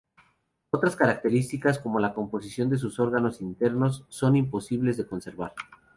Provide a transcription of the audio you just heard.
Otras características, como la composición de sus órganos internos, son imposibles de conservar.